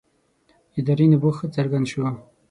ادارې نبوغ ښه څرګند شو.